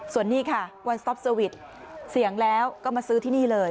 ส่วนนี้ค่ะวันสต๊อปเซอร์วิทเสี่ยงแล้วก็มาซื้อที่นี่เลย